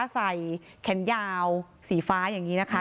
ใส่แขนยาวสีฟ้าอย่างนี้นะคะ